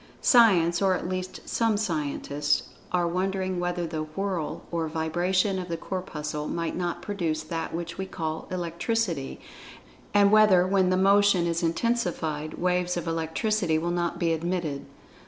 Science, or at least some scientists, are wondering whether the "whirl" or vibration of the Corpuscle might not produce that which we call "Electricity," and whether, when this motion is intensified, waves of Electricity will not be emitted.